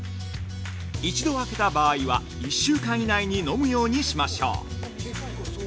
一度開けた場合は、１週間以内に飲むようにしましょう。